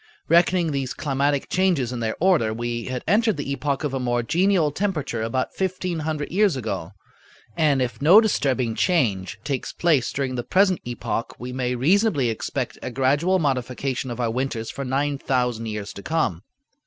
Reckoning these climatic changes in their order, we had entered the epoch of a more genial temperature about fifteen hundred years ago; and if no disturbing change takes place during the present epoch, we may reasonably expect a gradual modification of our winters for nine thousand years to come.